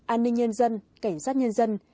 an ninh nhân dân cảnh sát nhân dân